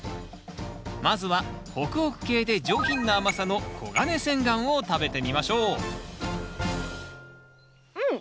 まずはホクホク系で上品な甘さのコガネセンガンを食べてみましょううん！